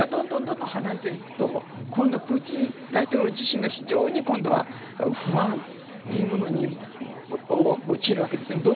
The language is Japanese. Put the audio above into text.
周りがどんどん離れていくと今度はプーチン大統領自身が非常に不安というものに陥るわけですね。